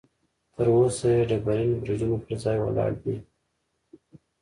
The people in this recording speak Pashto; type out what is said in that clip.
تر اوسه یې ډبرین برجونه پر ځای ولاړ دي.